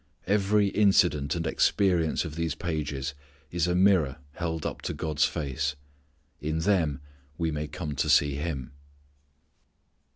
Every incident and experience of these pages is a mirror held up to God's face. In them we may come to see Him.